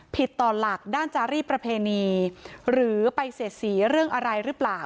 ต่อหลักด้านจารีประเพณีหรือไปเสียดสีเรื่องอะไรหรือเปล่า